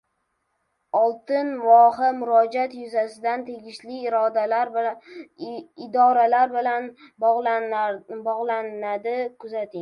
“Oltin voha” murojaat yuzasidan tegishli idoralar bilan bogʻlanadi. Kuzating.